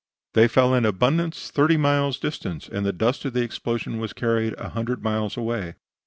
They fell in abundance thirty miles distant, and the dust of the explosion was carried a hundred miles away.